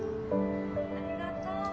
ありがとう。